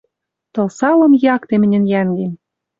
Тылсалым якте мӹньӹн йӓнгем!..»